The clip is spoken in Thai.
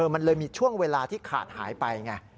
มันเลยมีช่วงเวลาที่ขาดหายไปไง